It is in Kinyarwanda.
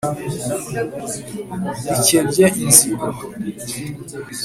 rikebye inzigo